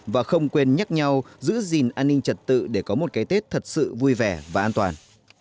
và không quên nhắc nhau giữ gìn an ninh trật tự để có một cái tết thật sự vui vẻ và an toàn